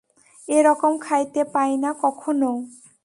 এ রকম খাইতে পায় নাই কখনও!